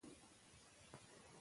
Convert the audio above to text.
ټول د آدم اولاد یو.